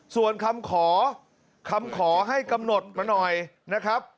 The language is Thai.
ส่วนคำขอคำขอให้กำหนดมาหน่อยนะครับ